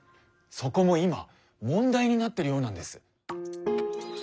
そこも今問題になってるようなんです。